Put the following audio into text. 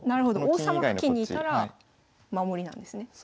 王様付近にいたら守りなんですね。